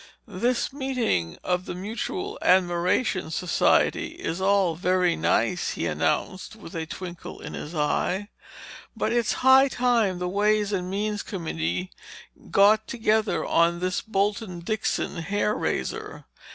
"This meeting of the mutual admiration society is all very nice," he announced with a twinkle in his eye, "But it is high time the ways and means committee got together on this last Bolton Dixon hair raiser.